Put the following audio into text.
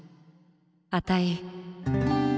あたい。